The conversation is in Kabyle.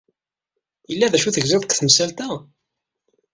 Yella d acu tegziḍ deg tmsalt-a?